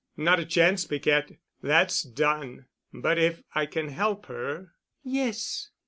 "Not a chance, Piquette. That's done. But if I can help her——" "Yes.